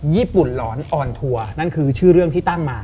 ญี่ปุ่นหลอนออนทัวร์นั่นคือชื่อเรื่องที่ตั้งมา